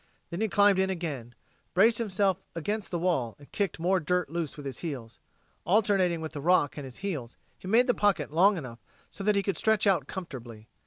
Then he climbed in again, braced himself against the wall and kicked more dirt loose with his heels. Alternating with the rock and his heels, he made the pocket long enough so that he could stretch out comfortably.